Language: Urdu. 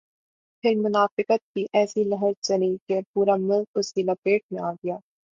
پھر منافقت کی ایسی لہر چلی کہ پورا ملک اس کی لپیٹ میں آ گیا۔